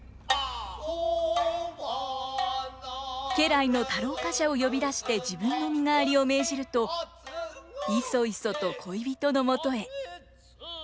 家来の太郎冠者を呼び出して自分の身代わりを命じるといそいそと恋人のもとへ。